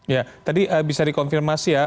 ya tadi bisa dikonfirmasi ya